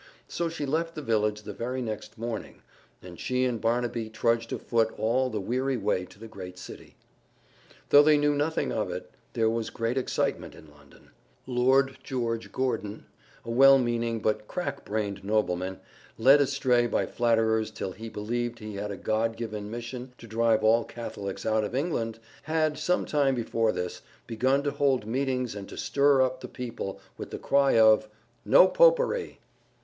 So she left the village the very next morning, and she and Barnaby trudged afoot all the weary way to the great city. Though they knew nothing of it, there was great excitement in London. Lord George Gordon, a well meaning but crack brained nobleman, led astray by flatterers till he believed he had a God given mission to drive all Catholics out of England, had, sometime before this, begun to hold meetings and to stir up the people with the cry of "No Popery!"